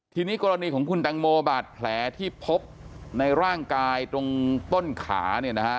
ทีนี้กรณีของคุณตังโมบาทแผลที่พบในร่างกายต้นขา